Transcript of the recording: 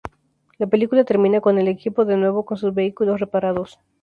La película termina con el equipo de nuevo con sus vehículos reparados.